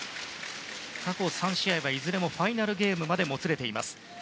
過去３試合はいずれもファイナルゲームまでもつれています。